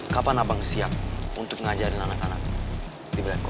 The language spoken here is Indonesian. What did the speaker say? kapan abang siap untuk ngajarin anak anak di black co